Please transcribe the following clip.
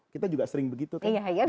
kita juga sering begitu kayaknya